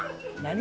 何？